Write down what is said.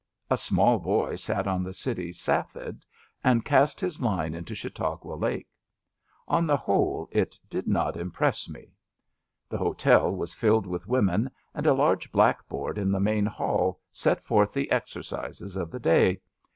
A small boy sat on the city */ Safed '* and <5ast his line into Chautauqua Lake. On the whole it did not impress me. The hotel was filled with iromen, and a large blackboard in the main hall set forth the exercises of the day.